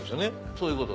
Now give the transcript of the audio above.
そういうこと。